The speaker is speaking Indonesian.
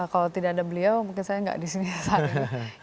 kalau tidak ada beliau mungkin saya tidak disini saat ini